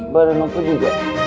mereka kisi dia